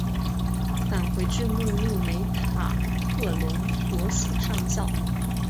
返回至目录梅塔特隆所属上校。